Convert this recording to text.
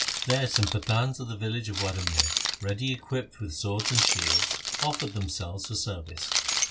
There some Pathans of the village of Wadamir, ready equipped with swords and shields, offered themselves for service.